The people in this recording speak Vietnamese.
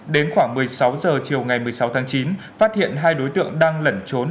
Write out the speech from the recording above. đến khoảng một mươi sáu h chiều ngày một mươi sáu tháng chín phát hiện hai đối tượng đang lẩn trốn